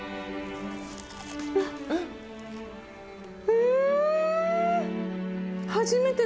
うん？